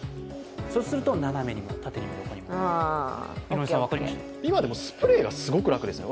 そうすると斜めにも、縦にも、横にも。今、でもスプレーがすごく楽ですよ。